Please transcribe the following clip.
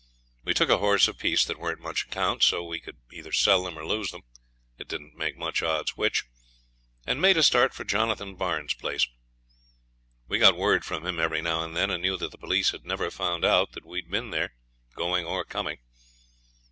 We took a horse apiece that weren't much account, so we could either sell them or lose them, it did not make much odds which, and made a start for Jonathan Barnes's place. We got word from him every now and then, and knew that the police had never found out that we had been there, going or coming.